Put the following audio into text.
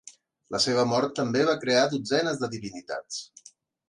La seva mort també va crear dotzenes de divinitats.